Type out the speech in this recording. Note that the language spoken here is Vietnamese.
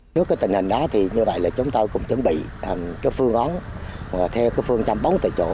trước tình hình đó chúng tôi cũng chuẩn bị phương ống theo phương trăm bóng tại chỗ